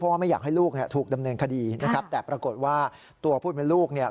ว่าไม่อยากให้ลูกเนี่ยถูกดำเนินคดีนะครับแต่ปรากฏว่าตัวผู้เป็นลูกเนี่ย